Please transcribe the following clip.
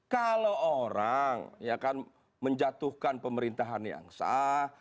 kalau orang ya kan menjatuhkan pemerintahan yang sah